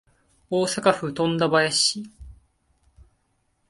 大阪府富田林市